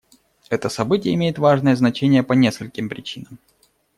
Это событие имеет важное значение по нескольким причинам.